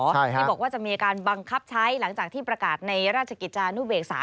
ที่บอกว่าจะมีการบังคับใช้หลังจากที่ประกาศในราชกิจจานุเบกษา